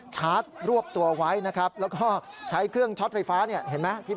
ชาร์จรวบตัวไว้นะครับแล้วก็ใช้เครื่องช็อตไฟฟ้าเนี่ยเห็นไหม